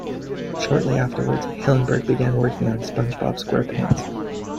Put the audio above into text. Shortly afterwards, Hillenburg began working on "SpongeBob SquarePants".